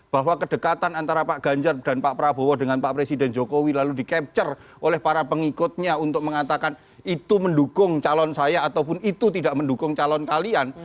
bahwa kedekatan antara pak ganjar dan pak prabowo dengan pak presiden jokowi lalu di capture oleh para pengikutnya untuk mengatakan itu mendukung calon saya ataupun itu tidak mendukung calon kalian